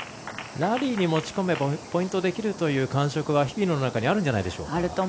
ラリーに持ち込めばポイントできるという感触は日比野の中にあるんじゃないでしょうか。